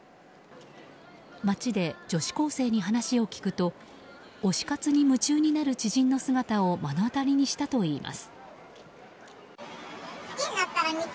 街で女子高生に話を聞くと推し活に夢中になる知人の姿を目の当たりにしたといいます。